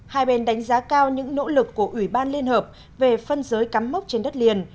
hai bên đánh giá cao những nỗ lực của ủy ban liên hợp về phân giới cắm mốc trên đất liền